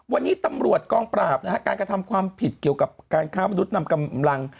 วันนี้ตำรวจกองปราบนะฮะการกระทำความผิดเกี่ยวกับการค้ามนุษย์นำกำลัง